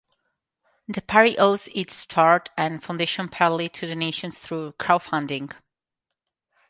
The party owes its start and foundation partly to donations through crowdfunding.